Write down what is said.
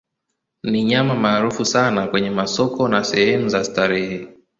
Ni nyama maarufu sana kwenye masoko na sehemu za starehe.